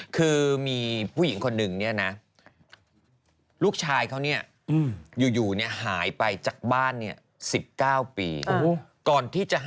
คือมีผู้หญิงคนหนึ่งนี่นะลูกชายเขานี่อยู่หายไปจากบ้าน๑๙ปี